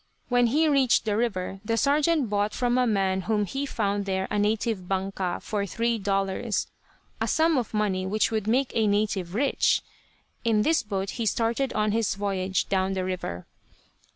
When he reached the river the sergeant bought from a man whom he found there a native "banca," for three dollars, a sum of money which would make a native rich. In this boat he started on his voyage down the river.